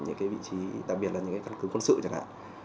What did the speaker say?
những cái vị trí đặc biệt là những cái căn cứ quân sự chẳng hạn